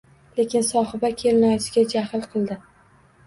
Lekin Sohiba kelinoyisiga jahl qildi